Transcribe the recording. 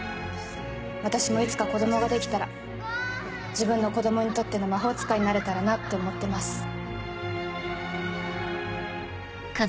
私もいつか子供ができたら自分の子供にとっての魔法使いになれたらなって思ってます。